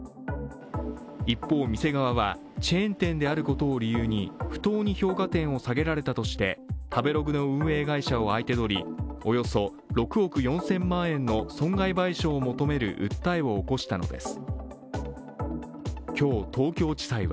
一方、店側はチェーン店であることを理由に不当に評価点を下げられたとして食べログの運営会社を相手取りおよそ６億４０００万円の損害賠償を求める訴えを起こしたのです。